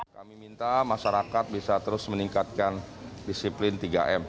kami minta masyarakat bisa terus meningkatkan disiplin tiga m